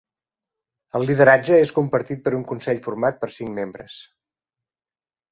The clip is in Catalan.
El lideratge és compartit per un consell format per cinc membres.